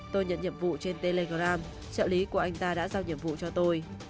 tôi nhận nhiệm vụ trên telegram trợ lý của anh ta đã giao nhiệm vụ cho tôi